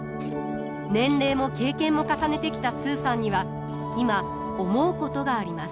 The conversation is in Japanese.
年齢も経験も重ねてきたスーさんには今思うことがあります。